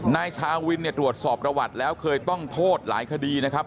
นายชาวินเนี่ยตรวจสอบประวัติแล้วเคยต้องโทษหลายคดีนะครับ